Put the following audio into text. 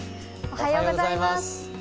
おはようございます。